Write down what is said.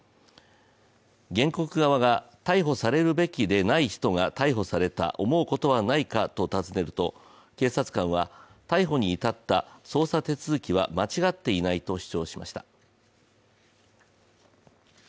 原告側が、逮捕されるべきでない人が逮捕された、思うことはないかと訪ねると警察官は、逮捕に至った捜査手続きは間違っていないと主張しました。